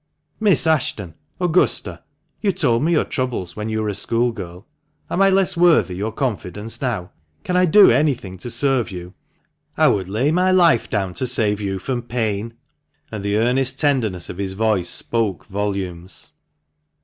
" Miss Ashton — Augusta — you told me your troubles when you were a school girl, am I less worthy your confidence now ? Can I do anything to serve you ? I would lay my life down to save you from pain ;" and the earnest tenderness of his voice spoke volumes.